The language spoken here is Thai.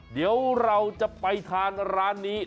เดี๋ยวเราจะไปทานร้านนี้